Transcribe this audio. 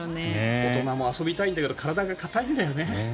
大人も遊びたいんだけど体が固いんだよね。